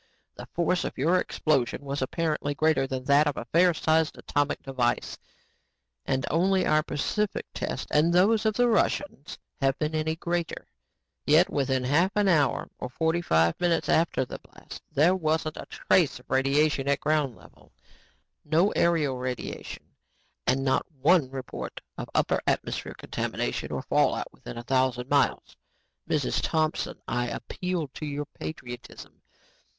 The force of your explosive was apparently greater than that of a fair sized atomic device and only our Pacific tests and those of the Russians have been any greater. Yet within a half hour or forty five minutes after the blast there wasn't a trace of radiation at ground level, no aerial radiation and not one report of upper atmosphere contamination or fallout within a thousand miles. "Mrs. Thompson, I appeal to your patriotism.